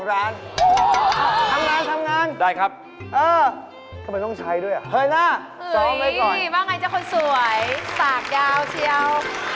เฮ่ยว่าอย่างไรเจ้าคนสวยสากยาวเชียว